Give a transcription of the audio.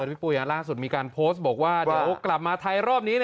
พี่ปุ๋ยล่าสุดมีการโพสต์บอกว่าเดี๋ยวกลับมาไทยรอบนี้